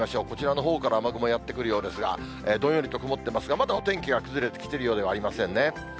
こちらのほうから雨雲やって来るようですが、どんよりと曇ってますが、まだお天気は崩れてきているようではありませんね。